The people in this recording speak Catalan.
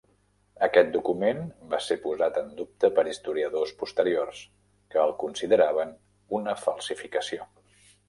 Aquest document va ser posat en dubte per historiadors posteriors, que el consideraven una falsificació.